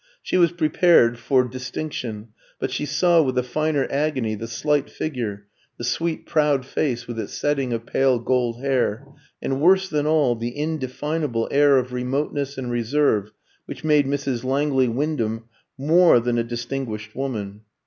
She was prepared for distinction; but she saw with a finer agony the slight figure, the sweet proud face with its setting of pale gold hair, and worse than all, the indefinable air of remoteness and reserve which made Mrs. Langley Wyndham more than a "distinguished" woman.